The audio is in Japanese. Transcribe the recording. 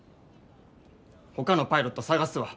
ほかのパイロット探すわ。